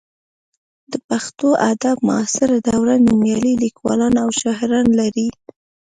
د پښتو ادب معاصره دوره نومیالي لیکوالان او شاعران لري.